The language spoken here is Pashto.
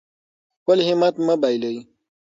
خپل همت مه بایلئ.